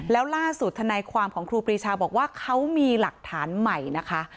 แล้วล่าสุดธนายความของครูปรีชาบอกว่าเขามีหลักฐานใหม่นะคะ